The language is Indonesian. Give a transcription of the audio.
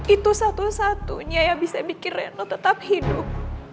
itu satu satunya yang bisa bikin retno tetap hidup